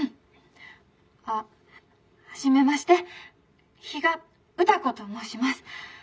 「あっ初めまして比嘉歌子と申します。